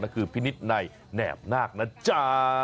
ก็คือพี่นิดในนาบนาคนะจ๊ะ